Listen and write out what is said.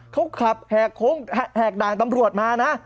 เขาขับแหกดางตำรวจมานะ